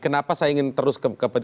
kenapa saya ingin terus ke